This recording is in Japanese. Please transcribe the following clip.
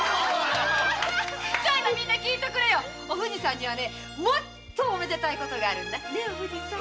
みんな聞いとくれおふじさんにはもっとおめでたい事があるんだ。